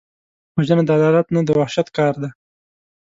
وژنه د عدالت نه، د وحشت کار دی